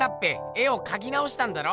絵をかきなおしたんだろ？